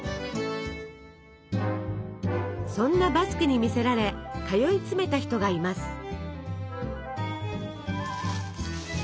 そんなバスクに魅せられ通い詰めた人がいます。